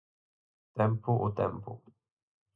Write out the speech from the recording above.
Tempo ao tempo.